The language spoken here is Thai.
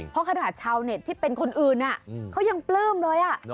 เพราะขนาดชาวเน็ตที่เป็นคนอื่นเขายังปลื้มเลย